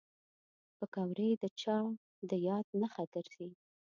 پکورې د چا د یاد نښه ګرځي